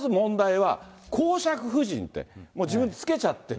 まず問題は、公爵夫人って、自分で付けちゃってる。